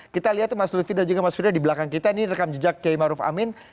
kita lihat mas luthi dan juga mas priyo di belakang kita ini rekam jejak kayak ma'ruf amin